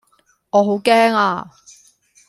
我好驚呀